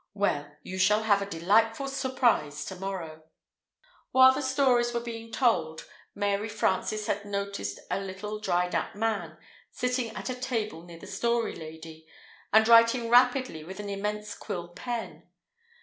"Well, you shall have a delightful surprise to morrow." While the stories were being told, Mary Frances had noticed a little dried up man, sitting at a table near the Story Lady, and writing rapidly with an immense quill pen.